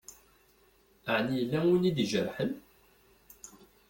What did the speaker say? Ɛni yella win i d-ijerḥen?